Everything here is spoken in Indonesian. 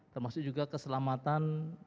termasuk juga keselamatan